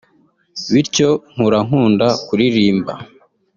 bityo nkura nkunda kuririmba